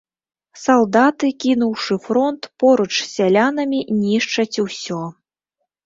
Салдаты, кінуўшы фронт, поруч з сялянамі нішчаць усё.